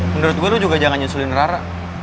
menurut gue juga jangan nyusulin rara